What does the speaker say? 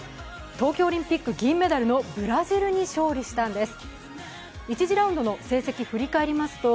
東京オリンピック銀メダルのブラジルに勝利したんです。